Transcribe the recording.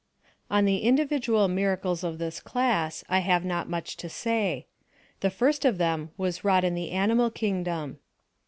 On the individual miracles of this class, I have not much to say. The first of them was wrought in the animal kingdom.